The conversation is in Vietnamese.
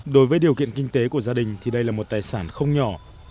đối với điều kiện kinh tế của gia đình thì đây là một tài sản không nhỏ